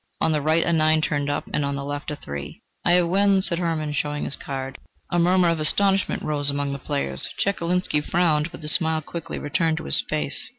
On the right a nine turned up, and on the left a three. "I have won!" said Hermann, showing his card. A murmur of astonishment arose among the players. Chekalinsky frowned, but the smile quickly returned to his face.